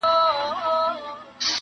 چي راضي راڅخه روح د خوشحال خان سي،